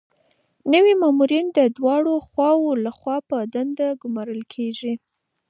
نوي مامورین د دواړو خواوو لخوا په دنده ګمارل کیږي.